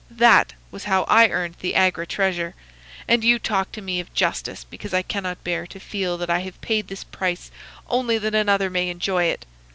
That was how I earned the Agra treasure; and you talk to me of justice because I cannot bear to feel that I have paid this price only that another may enjoy it!